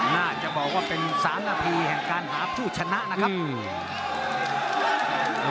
น่าจะบอกว่าเป็นสามนาทีแห่งการหาผู้ชนะนะครับอืม